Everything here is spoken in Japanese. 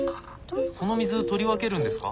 その水取り分けるんですか？